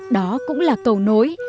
đó cũng là cầu nối